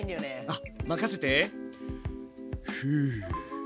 あっ任せて。